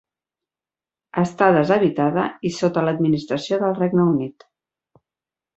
Està deshabitada i sota l'administració del Regne Unit.